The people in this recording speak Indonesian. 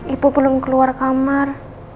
ibu belum keluar kamar